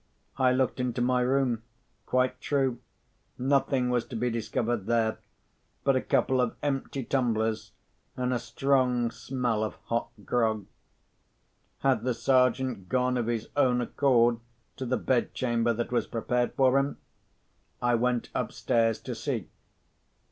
I looked into my room. Quite true—nothing was to be discovered there but a couple of empty tumblers and a strong smell of hot grog. Had the Sergeant gone of his own accord to the bedchamber that was prepared for him? I went upstairs to see.